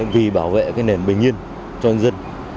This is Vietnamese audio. vì bảo vệ nền bình yên cho nhân dân